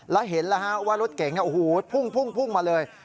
แล้วเห็นแล้วว่ารถเก๋งพุ่งมาเลย